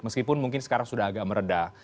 meskipun mungkin sekarang sudah agak meredah